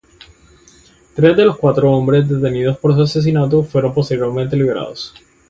Tres de los cuatro hombres detenidos por su asesinato fueron posteriormente liberados.